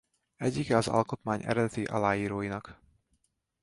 Egyike az Alkotmány eredeti aláíróinak.